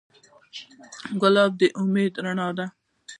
ګلاب د امید رڼا ده.